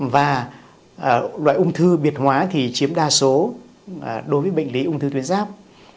và loại ung thư biệt hóa thì chiếm đa số đối với bệnh lý ung thư tuyến ráp